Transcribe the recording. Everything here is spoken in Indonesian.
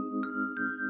terima kasih yoko